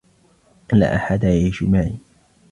لا أحد يعيش معي.